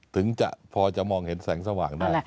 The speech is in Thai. ถึงจะพอจะมองเห็นแสงสว่างได้